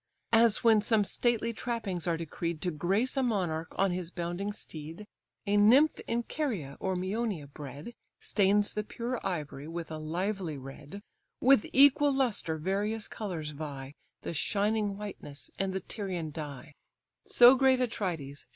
As when some stately trappings are decreed To grace a monarch on his bounding steed, A nymph in Caria or Mæonia bred, Stains the pure ivory with a lively red; With equal lustre various colours vie, The shining whiteness, and the Tyrian dye: So great Atrides!